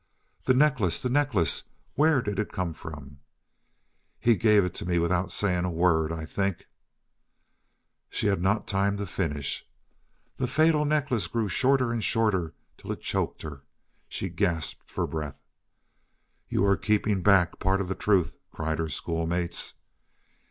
"The necklace the necklace where did it come from?" "He gave it to me without saying a word. I think " She had not time to finish. The fatal necklace grew shorter and shorter till it choked her. She gasped for breath. "You are keeping back part of the truth," cried her schoolmates.